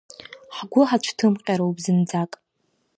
Ҳгәы ҳацәҭымҟьароуп зынӡак.